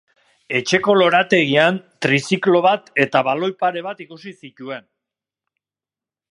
Etxeko lorategian triziklo bat eta baloi pare bat ikusi zituen.